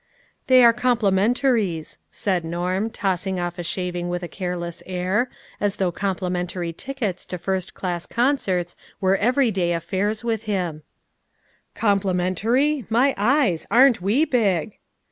" They are complimentaries," said Norm, toss ing off a shaving with a careless air, as though complimentary tickets to first class concerts were every day affairs with him: " Complimentary ? My eyes, aren't we big